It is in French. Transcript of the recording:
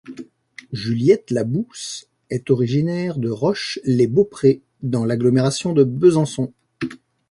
Juliette Labous est originaire de Roche-lez-Beaupré dans l'agglomération de Besançon.